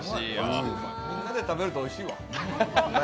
みんなで食べるとおいしいわ。